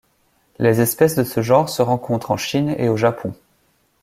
Les espèces de ce genre se rencontrent en Chine et au Japon.